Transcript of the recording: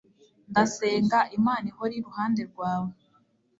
ndasenga, imana ihore iruhande rwawe